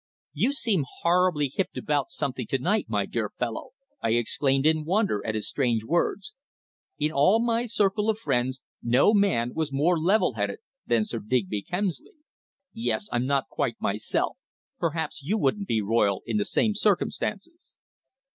"You seem horribly hipped about something to night, my dear fellow!" I exclaimed in wonder at his strange words. In all my circle of friends no man was more level headed than Sir Digby Kemsley. "Yes, I'm not quite myself. Perhaps you wouldn't be, Royle, in the same circumstances."